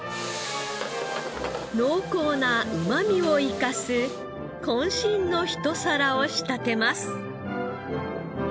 濃厚なうまみを生かす渾身の一皿を仕立てます。